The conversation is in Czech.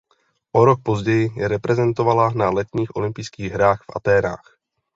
O rok později reprezentovala na letních olympijských hrách v Athénách.